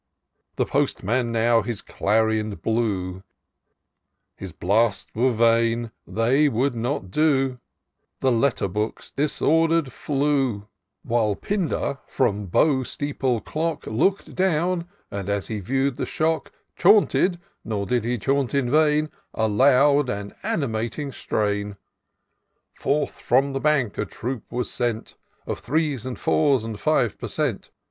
" The Postman now his clarion blew ; His blasts were vain — they would not do ; The Letter Books disorder d flew ; While Pindar from Bow steeple clock Look'd down, and, as he viewed the shock, Chanted, nor did he chant in vain, A loud and animating strain. Forth from the Bank a troop was sent Of threes and fours and fives per cent.